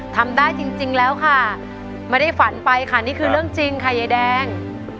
ทำได้จริงแล้วค่ะไม่ได้ฝันไปค่ะนี่คือเรื่องจริงค่ะยายแดง